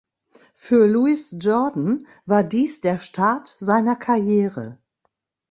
Für Louis Jordan war dies der Start seiner Karriere.